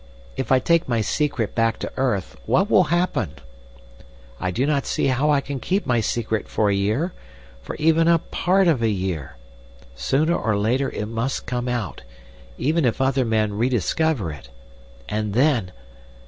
If I take my secret back to earth, what will happen? I do not see how I can keep my secret for a year, for even a part of a year. Sooner or later it must come out, even if other men rediscover it. And then